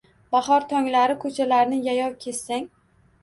Bahor tonglari ko‘chalarni yayov kezsang